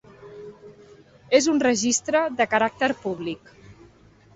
És un registre de caràcter públic.